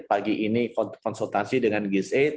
pagi ini konsultasi dengan gisaid